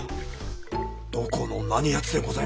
どこの何やつでございますか？